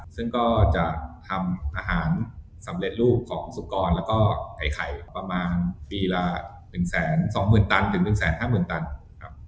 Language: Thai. ซึ่งก็จะทำอาหารสำเร็จรูปของสุกรแล้วก็ไข่ประมาณปีละ๑๒๐๐๐ตันถึง๑๕๐๐๐ตันครับ